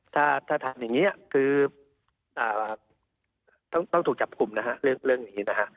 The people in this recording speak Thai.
ถ้าทำอย่างนี้คือต้องถูกจับกลุ่มนะฮะเรื่องนี้นะฮะ